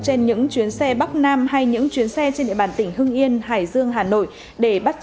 trên những chuyến xe bắc nam hay những chuyến xe trên địa bàn tỉnh hưng yên hải dương hà nội để bắt